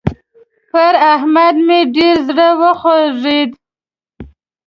پر احمد مې ډېر زړه وخوږېد.